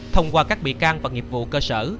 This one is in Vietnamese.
thông qua các bị can và nghiệp vụ cơ sở